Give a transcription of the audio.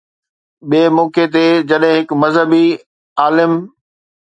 ٻئي موقعي تي جڏهن هڪ مذهبي عالم